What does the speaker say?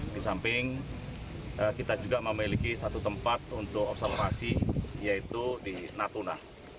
di samping kita juga memiliki satu tempat untuk observasi yaitu di natuna